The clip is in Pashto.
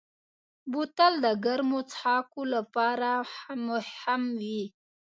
بوتل د ګرمو څښاکو لپاره هم وي.